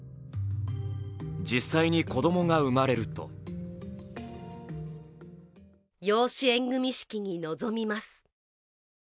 実際に子供が生まれると養子縁組式に臨みます。